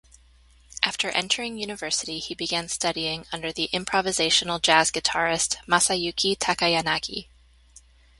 After entering university, he began studying under the improvisational jazz guitarist, Masayuki Takayanagi.